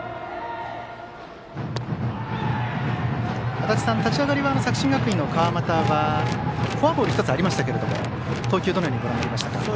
足達さん、立ち上がりは作新学院の川又はフォアボール１つありましたが投球、どのようにご覧になりましたか？